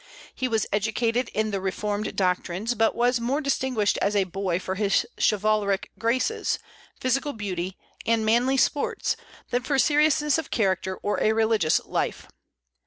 He was educated in the reformed doctrines, but was more distinguished as a boy for his chivalric graces, physical beauty, and manly sports than for seriousness of character or a religious life.